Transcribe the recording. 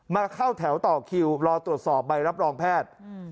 มาเข้าแถวต่อคิวรอตรวจสอบใบรับรองแพทย์